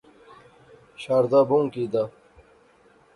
شاردا بہوں کی دا